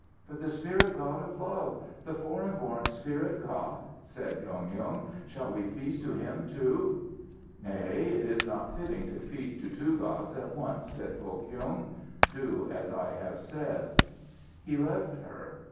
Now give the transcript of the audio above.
"But the spirit God of love, the foreign born spirit God?" said Dong Yung. "Shall we feast to him too?" "Nay, it is not fitting to feast to two gods at once," said Foh Kyung. "Do as I have said." He left her.